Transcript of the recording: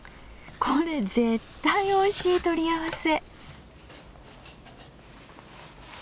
これ絶対おいしい取り合わせ！